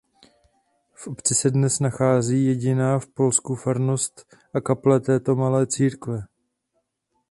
V obci se dnes nachází jediná v Polsku farnost a kaple této malé církve.